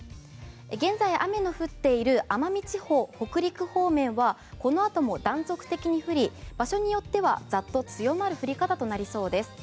現在、雨の降っている奄美地方北陸方面はこの後も断続的に降り場所によってはざっと強まる降り方となりそうです。